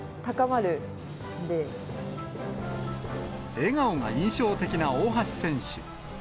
笑顔が印象的な大橋選手。